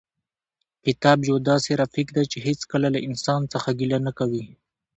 کتاب یو داسې رفیق دی چې هېڅکله له انسان څخه ګیله نه کوي.